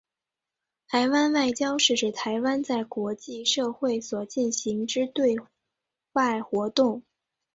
台湾外交是指台湾在国际社会所进行之对外活动。